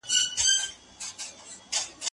چي د بادام له شګوفو مي تکي سرې وي وني